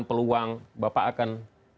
peluang bapak akan